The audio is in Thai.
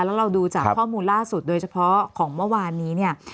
แล้วเราดูจากข้อมูลล่าสุดโดยเฉพาะของเมื่อวานนี้เนี่ย